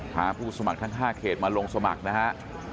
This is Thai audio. ผู้สมัครทั้ง๕เขตมาลงสมัครนะฮะ